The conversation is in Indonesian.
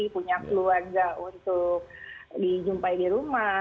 punya keluarga untuk dijumpai di rumah